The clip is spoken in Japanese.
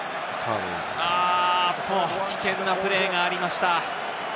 危険なプレーがありました。